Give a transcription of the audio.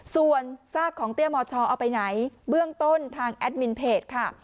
ส่วนซากของเตี้ยมชเอาไปไหนเบื้องต้นทางแอดมินเพจค่ะ